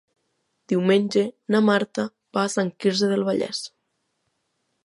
Diumenge na Marta va a Sant Quirze del Vallès.